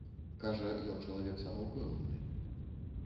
Кажа, ён чалавек самаўпэўнены.